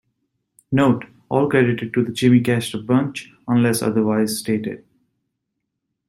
Note: All credited to The Jimmy Castor Bunch unless otherwise stated.